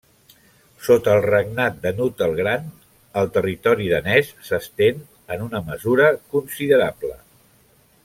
Sota el regnat de Knut el Gran, el territori danès s'estén en una mesura considerable.